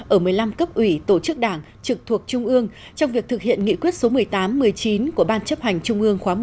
ở một mươi năm cấp ủy tổ chức đảng trực thuộc trung ương trong việc thực hiện nghị quyết số một mươi tám một mươi chín của ban chấp hành trung ương khóa một mươi hai